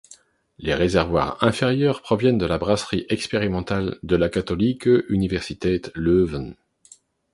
Les réservoirs inférieurs proviennent de la brasserie expérimentale de la Katholieke Universiteit Leuven.